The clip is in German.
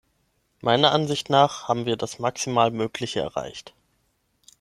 Meiner Ansicht nach haben wir das maximal Mögliche erreicht.